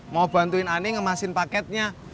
mau bantuin ani ngemasin paketnya